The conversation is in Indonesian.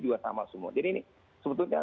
juga sama semua jadi ini sebetulnya